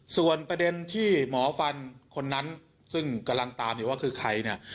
ส่วนประเด็นที่หมอฟันคนนั้นซึ่งกำลังตามอยู่ว่าคือใครเนี่ย